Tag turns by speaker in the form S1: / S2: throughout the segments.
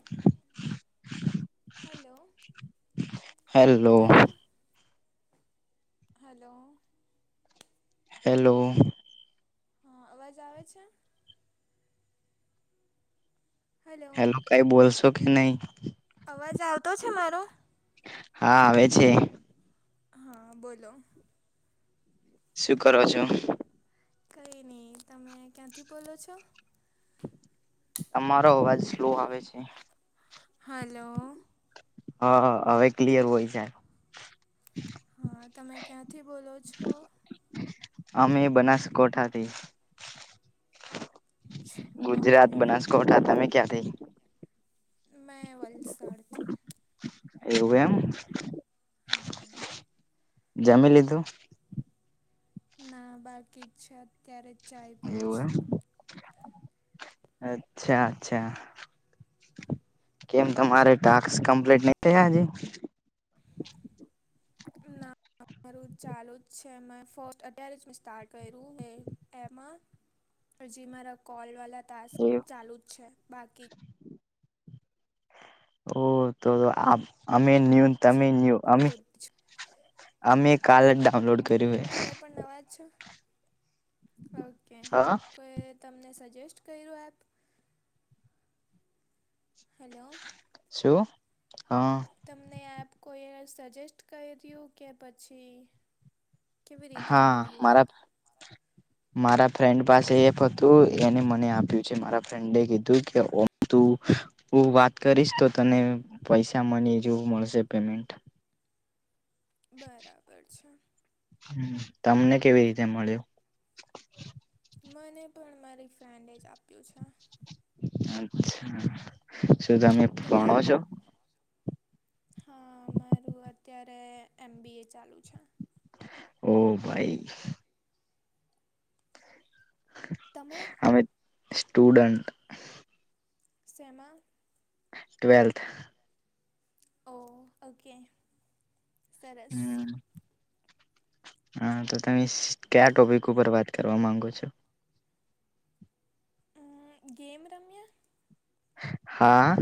S1: [inaudible]
S2: Hello
S1: hello
S2: hello hello
S1: hello
S2: હા અવાજ આવે છે હલો
S1: હેલો કઈ બોલશો કે નહી
S2: અવાજ આવતો છે મારો
S1: હા આવે છે.
S2: હા બોલો
S1: શું કરો છો?
S2: કંઈ નહીં તમે ક્યાંથી બોલો છો?
S1: તમારો અવાજ સ્લો આવે છે.
S2: હલો.
S1: હા હવે ક્લિયર હોય જાય
S2: હા તમે ક્યાંથી બોલો છો?
S1: અમે બનાસ કોઠાથી ગુજરાત
S2: ઓકે
S1: બનાસકોઠા તમે ક્યાં થી
S2: મેં વલસાડથી
S1: એવું એમ જમી લીધું
S2: ના બાકી જ છે અત્યારે ચાય પીવું
S1: એવું
S2: છું
S1: એમ અચ્છા અચ્છા કેમ તમારે ટાસ્ક કમ્પ્લીટ નહિ થયા હજી
S2: ના
S1: [inaudible]
S2: મારું ચાલુ જ છે મે ફસ્ટ અત્યારે મે સ્ટાર્ટ કર્યું મે એમાં હજી મારા કોલ વાળા ટાસ્ક
S1: એવું
S2: ચાલુ જ છે બાકી
S1: તો તો અમે ન્યૂ
S2: છે
S1: તમે ન્યૂ અ અમે કાલ જ ડાઉનલોડ કર્યું હે
S2: તમે પણ નવાજ છે ઓકે
S1: હા
S2: કોઈ તમને સજેસ્ટ કર્યો એપ હલો
S1: શું હા.
S2: તમને આપ કોઈએ સજેસ્ટ કરીયુ કે પછી કેવી રીતે
S1: હા
S2: મળ્યું
S1: મારા
S2: એપ
S1: મારા ફ્રેન્ડ પાસે એફ હતું એને મને આપ્યું છે મારા ફ્રેન્ડએ કીધું કે ઓમ તો હું વાત કરીશ તો તને પૈસા મની જેવું મળશે પેમેન્ટ
S2: બરાબર છે.
S1: તમને કેવી રીતે મળ્યું
S2: મને પણ મારી ફ્રેન્ડે જ આપ્યું છે.
S1: અચ્છા શું તમે ભણો છો?
S2: હા મારું અત્યારે એમ બી એ ચાલુ છે.
S1: ઓહ ભાઈ હ
S2: તમે
S1: અમે સ્ટુડન્ટ
S2: શેમાં
S1: ટ્વેલ્થ
S2: ઓ ઓકે સરસ
S1: હા તો તમે ક્યા ટોપિક ઉપર વાત કરવા માંગો છો.
S2: હમ્મ ગેમ રમ્યા?
S1: હા.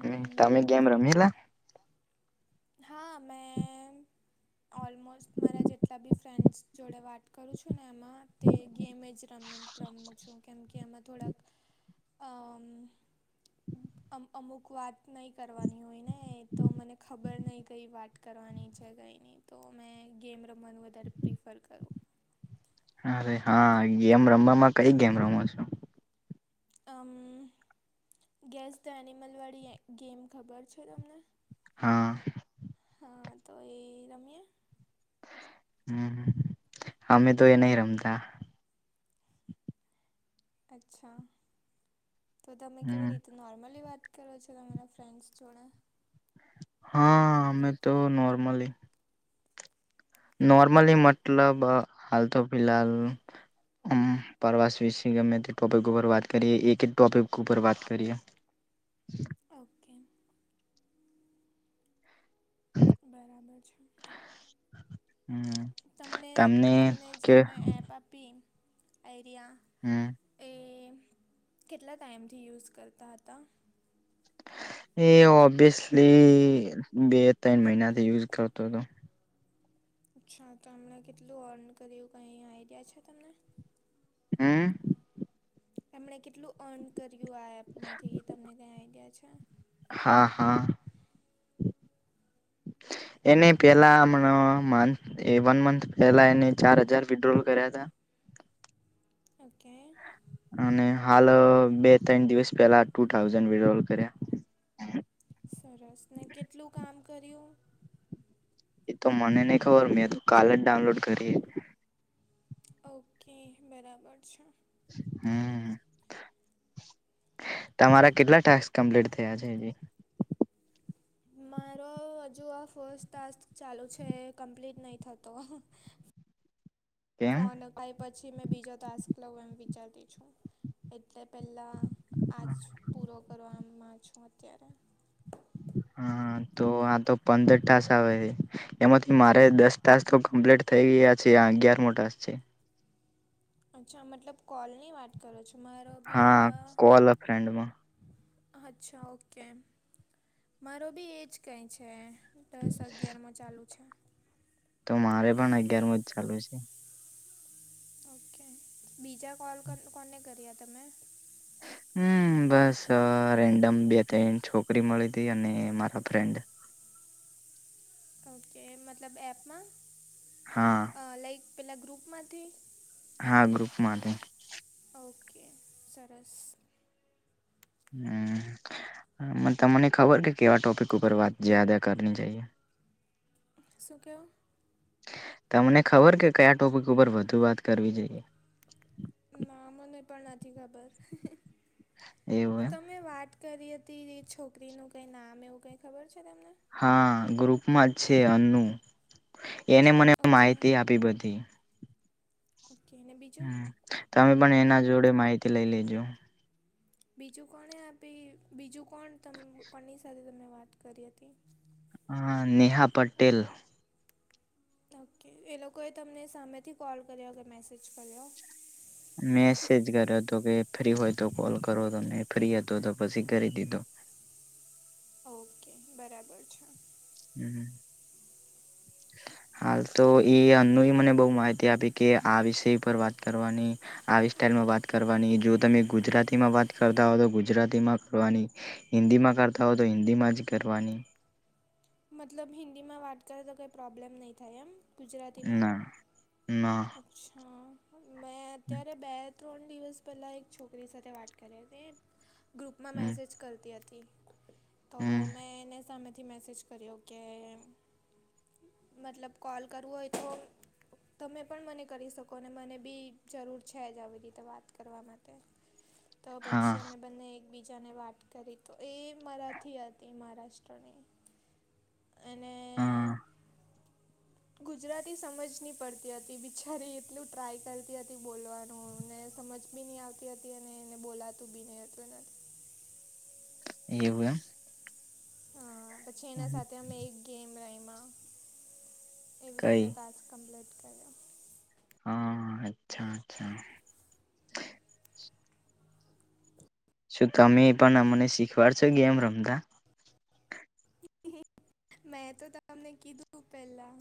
S1: હમ્મ તમે ગેમ રમેલા
S2: હા મેં ઓલમોસ્ટ મારા જેટલા બી ફ્રેન્ડસ જોડે વાત કરું છું ને એમાં તે ગેમે જ રમે રમું છું કેમ કે એમાં થોડાક અ અમુક વાત નહીં કરવાની હોય ને તો મને ખ ખબર નહીં કંઈ વાત કરવાની છે કંઈ નહીં તો મેં ગેમ રમવાનું વધારે પ્રિફર કરું.
S1: અરે હા ગેમ રમવામાં કઈ ગેમ રમો છો
S2: મ ગેસ ધ એનિમલવાળી ગેમ ખબર છે તમને
S1: હા
S2: હા તો એ રમીએ
S1: હમ અમે તો એ નહીં રમતા
S2: અચ્છા તો તમે
S1: હમ
S2: કેવી રીતે નોર્મલી વાત કરો છો તમારા ફ્રેન્ડ્સ જોડે
S1: હા અમે તો નોર્મલી નોર્મલી મતલબ હાલ તો ફિહાલ મ પ્રવાસ વિશે ગમે તે ટોપિક ઉપર વાત કરીયએ એક ટોપિક ઉપર વાત કરીયએ [inaudible]
S2: ઓકે બરાબર છે
S1: હમ
S2: તમને તમને જેમણે એપ આપી આઈડિયા
S1: હમ
S2: એ કેટલા ટાઈમથી યુઝ કરતા હતા
S1: એ ઓબ્વિયસલી બે ત્રણ મહિનાથી યુઝ કરતો હતો
S2: અચ્છા તો હમણા કેટલું અર્ન કર્યું કઈ આઈડિયા છે તમને
S1: હમ
S2: એમણે કેટલું અર્ન કર્યું આ એપમાંથી તમને કઈ આઈડિયા છે
S1: હા હા એને પેલા એ વન મંથ પહેલા એને ચાર હજાર વિડ્રોલ કર્યા હતા
S2: ઓકે
S1: અને હાલ બે ત્રણ દિવસ પેલા ટુ થાઉઝન્ડ વિડ્રોલ કર્યા
S2: સરસ ને કેટલું કામ કર્યું
S1: એ તો મને નહી ખબર મેં તો કાલ જ ડાઉનલોડ કરી
S2: ઓકે બરાબર છે
S1: હમ તમારા કેટલા ટાસ્ક કમ્પ્લીટ થયા છે અજી
S2: મારો હજુ આ ફસ્ટ ટાસ્ક ચાલુ છે એ કમ્પ્લીટ નહી થતો
S1: કેમ
S2: ફોન અપાય પછી મેં બીજો ટાસ્ક લેવું એમ વિચારતી છું એટલે પહેલાં આ જ પૂરો કરવામાં છું અત્યારે
S1: હા તો આ તો પંદર ટાસ્ક આવે એમાંથી મારે દસ દસ તો કમ્પ્લીટ થઈ ગયા છે આ અગિયાર મો ટાસ્ક છે
S2: અચ્છા મતલબ કોલની વાત કરો છો મારો ભી
S1: હા
S2: આ
S1: કોલ અ ફ્રેન્ડમાં
S2: અચ્છા ઓકે મારો ભી એજ કઈક છે દસ અગિયારમો ચાલુ છે
S1: તો મારે પણ અગિયાર મોજ ચાલુ છે
S2: ઓકે બીજા કોલ કોને કર્યા તમે
S1: હમ બસ રેન્ડમ બે ત્રણ છોકરી મળી હતી અને મારા ફ્રેન્ડ
S2: ઓકે મતલબ એપમાં
S1: હા
S2: લાઈક પહેલાં ગ્રુપમાંથી
S1: હા ગ્રુપમાંથી
S2: ઓકે સરસ
S1: હમ તમને ખબર કે કેવા ટોપિક ઉપર વાત જયાદા કરવી જોઈએ
S2: શું કયો
S1: તમને ખબર કે કયા ટોપિક ઉપર વધુ વાત કરવી જોઈએ
S2: ના મને પણ નથી ખબર
S1: એવું એમ
S2: તમે વાત કરી હતી છોકરીનું કંઈ નામ એવું કાઈ ખબર છે તમને
S1: હા ગ્રુપમાં જ છે અન્નુ એને મને
S2: ઓકે.
S1: માહિતી આપી બધી
S2: ઓકે અને બીજું
S1: હમ તમે પણ એના જોડે માહિતી લઈ લેજો
S2: બીજું કોને આપી બીજું કોણ કોની સાથે તમે વાત કરી હતી
S1: હા નેહા પટેલ
S2: ઓકે એ લોકોએ તમને સામેથી કોલ કર્યો કે મેસેજ કર્યો
S1: મેસેજ કર્યો હતો કે ફ્રી હોય તો કોલ કરો તમે તો ફ્રી હતો તો પછી કરી દીધો
S2: ઓકે બરાબર છે
S1: હમ હ હાલ તો એ અનુ મને બહુ માહિતી આપી કે આ વિષય પર વાત કરવાની આવી સ્ટાઇલમાં વાત કરવાની જો તમે ગુજરાતીમાં વાત કરતા હોવ તો ગુજરાતીમાં કરવાની હિન્દી માં કરતા હો તો હિન્દીમાં જ કરવાની
S2: મતલબ હિન્દીમાં વાત કરે તો કંઈ પ્રોબ્લેમ નહીં થાય એમ ગુજરાતીમાં?
S1: ના ના
S2: અચ્છા મેં અત્યારે બે ત્રણ દિવસ પહેલા એક છોકરી સાથે વાત કરી હતી ગ્રુપમાં
S1: હમ
S2: મેસેજ કરતી હતી તો
S1: હમ
S2: મેં એને સામેથી મેસેજ કર્યો કે મતલબ કોલ કરવો હોય તો તમે પણ મને કરી શકો અને મને ભી જરૂર છે જ આવી રીતે વાત કરવા માટે તો
S1: હા
S2: પછી અમે બને એકબીજાની વાત કરી તો એ મરાઠી હતી મહારાષ્ટ્રની અને
S1: હા
S2: ગુજરાતી સમજ ન પડતી હતી બિચારી એટલું ટ્રાય કરતી હતી બોલવાનું ને સમજ બીની આવતી હતી અને એને બોલાતું બી ન હતું એના
S1: એવું
S2: હા પછી એના
S1: એમ
S2: સાથે અમે એક ગેમ રમાં એવી
S1: કઈ
S2: રીતે ટાસ્ક કમ્પ્લીટ કર્યો
S1: હા અચ્છા અચ્છા શું તમે એ પણ અમને શીખવાડ છો ગેમ રમતા
S2: મેં તો તમને કીધું પેલા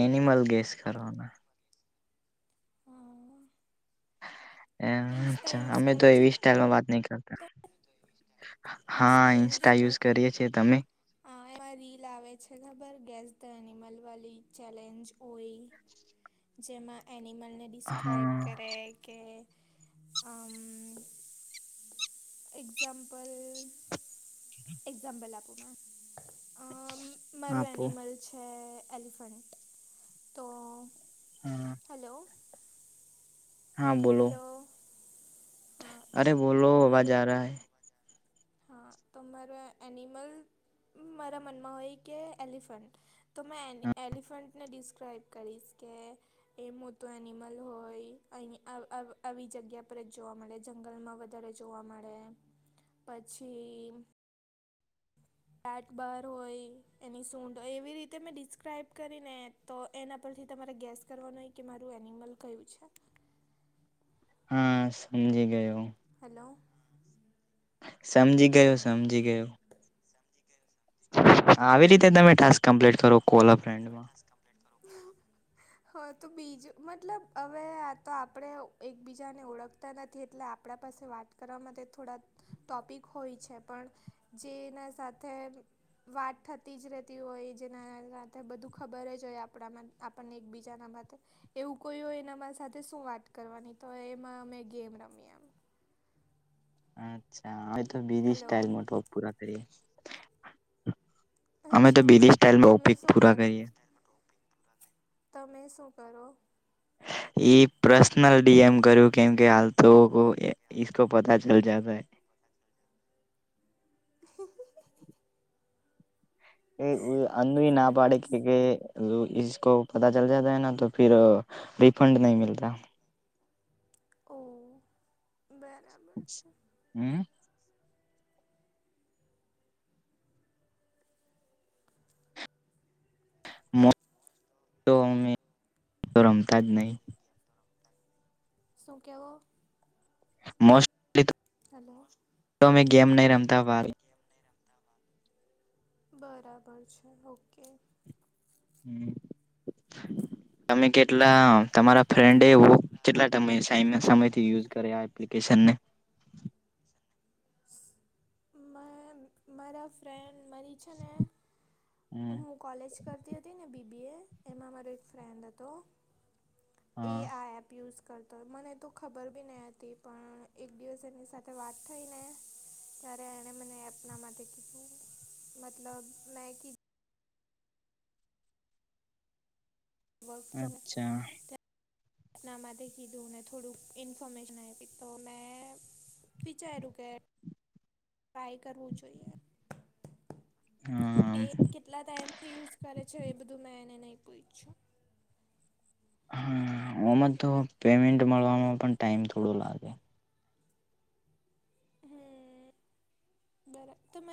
S1: એનિમલ ગેસ કરના
S2: હા
S1: એ
S2: ઇન્સ્ટા
S1: અચ્છા
S2: યુઝ
S1: અમે તો
S2: કરો છો
S1: એવી સ્ટાઈઇલમાં વાત નઈ કર
S2: તમે
S1: હા ઇન્સ્ટા યુઝ કરીે છીએ તમે
S2: હ એમાં રીલ આવે છે ખબર ગેસ ધ એનિમલ વાલી ચેલેન્જ ઓય જેમાં એનિમલને ડિસ્ક્રાઈબ
S1: હા
S2: કરે કે એક્ઝામ્પલ એક્ઝામ્પલ આપું મારું
S1: આપો
S2: એનિમલ છે એલિફન્ટ તો
S1: હા
S2: હલો
S1: હા બોલો
S2: હલો હા તો
S1: અરે બોલો આવા જ
S2: મારું
S1: રા હૈ
S2: હા તો મારે એનિમલ મારા મનમાં હોય કે એલિફન્ટ તો મેં એ એલિફન્ટને ડિસ્ક્રાઈબ કરીશ કે એ મોટું એનિમલ હોય અહી આવી જગ્યા પર જ જોવા મળે જંગલમાં અત્યારે જોવા મળે પછી
S1: હ
S2: બેટ બાર હોય એની સૂંડ હોય એવી રીતે મેં ડિસ્ક્રાઈબ કરીને તો એના પરથી તમારે ગેસ કરવાનો કે મારું એનિમલ કયું છે
S1: હા સમજી ગયો.
S2: હલો.
S1: સમજી ગયો સમજી ગયો. આવી
S2: હા
S1: રીતે તમે ટાસ્ક કમ્પ્લીટ કરો કોમાં.
S2: [unintelligible] હા તો બીજું મતલબ હવે આ તો આપણે એકબીજાને ઓળખ તા નથી એટલે આપણા પાસે વાત કરવા માટે થોડા. ટોપિક હોય છે પણ જેના સાથે વાત થતી જ રહેતી હોય જેના બધું ખબર જ હોય આપણામાં આપણને એકબીજાના માટે એવું કોઈ હોય એના સાથે શું વાત કરવાની તો એમાં અમે ગેમ રમીમ
S1: અચ્છા હવે તો બીધિ
S2: હલો
S1: સ્ટાઈલ મોટ પુરા કરી. અમે તો
S2: અચ્છા
S1: બીલી
S2: તમે
S1: સ્ટાઇલમાંપિક
S2: શું
S1: પૂરા
S2: કરો?
S1: કરીએ.
S2: તમે શું કરો.
S1: એ પર્સનલ ડીએમ કરું કેમ કે હાલતકો પતા ચલ જતા હૈ
S2: [inaudible]
S1: એ અન ના પાડે
S2: સરસ
S1: કે કે ર ઇસકો પતા ચલ જતા હૈ ના તો રિફંડ નહી મિલતા.
S2: ઓ બરાબર છે.
S1: હમ્મ. જ નહીિ
S2: શું કેવ?
S1: મોસ્ટલી.
S2: હલો.
S1: તો મેં ગેમ નહી રમતા
S2: બરાબર છે ઓકે.
S1: તમે કેટલા તમારા ફ્રેન્ડ
S2: તો
S1: એવ કેટલા સમયથી યુઝ કરેપ્લિકેશન ને.
S2: મારા ફ્રેન્ડ મારી છે ને
S1: [inaudible]
S2: હું કોલેજ કરતી હતી ને બીબી એ એમાં અમારો એક ફ્રેન્ડ હતો એ
S1: હા
S2: આ યુઝ કરતો હોય મને તો ખબર બી નહી હતી પણ એક દિવસ એમની સાથે વાત થઈ ને ત્યારે એને મને એના માટે કીધું મતલબ મેં કી વર્ક ફ્રોમ.
S1: અચ્છા
S2: ના માથે કીધુંને થોડું ન્ફર્મેશન આ આવી હતી તો મેં વિચાર્યું કે ટાય કરવું જોઈએ. એ
S1: હમ્મ.
S2: કેટલા ટાઈમથી યુઝ કરે છે એ બધું મેં એને નહી પૂછ છું.
S1: હા આમાં તો પેમેન્ટ મળવામાં પણ ટાઈમ થોડો લાગે. [inaudible]
S2: બરાબ તં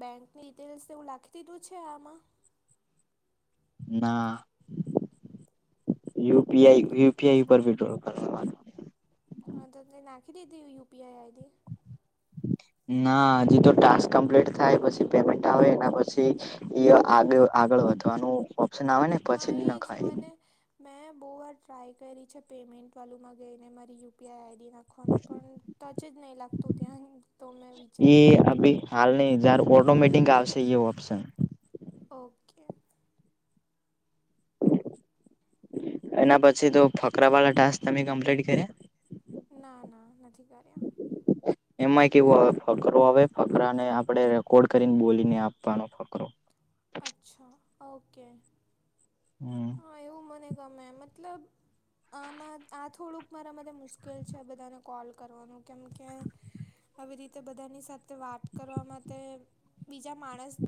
S2: બેંકની ડિટેલ્સ એવું લખી દીધું છે આમાં
S1: નાયુપીઆઈ
S2: ઓકે
S1: યુપીઆઈ ઉપર ભી ટ્રોલ કર
S2: હા તો ત નાખી દીધી યુપીઆઈ આઈડી
S1: ના હજી તો ટાક કમ્પ્લીટ થાય પછી પેમેન્ટ આવે એના પછી આ આગળ વધવાનું ઓપ્શન આવે ને
S2: હા
S1: પછી
S2: એ
S1: ન
S2: જ
S1: ખાય
S2: મને મેં બહુ વાાર ટ્રાય કરી છે પેમમેન્ટ વામાં ગઈ ને મારી યુપીઆઈ આઈડી ના કર ખવાનું પણ ટચ જ નહી લાગતું ત્યાં તો મેં
S1: એ
S2: વિચારમાં હતી
S1: અભી
S2: કે
S1: હાલ નહી જયાર ઓટોમિટંગ આવ
S2: ઓકે.
S1: એના પછી તો ફકરા વાળા ટાસ્ક તમે કમ્પ્લીટ કર્યા
S2: ના ના નથી કર્યા
S1: એમાંય કેવું આવે ફકરો હવે ફકરાને આપણે રેકોર્ડ કરીને બોલીને આપવાનો ફકરો
S2: અચ્છા ઓકે
S1: હમ
S2: હા એવું મને ગમે મતલબ આમાં આ થોડુંક મારા માટે મુશ્કેલ છે બધાને કોલ કરવાનું કેમ કે આવી રીતે બધાની સાથે વાત કરવા માટે બીજા માણસ